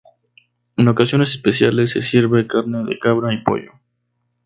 En ocasiones especiales se sirve carne de cabra y pollo.